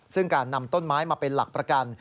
ซึ่งการนำต้นไม้มาเป็นหลักประกัน